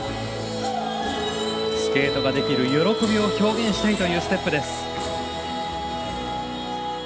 スケートができる喜びを表現したいというステップです。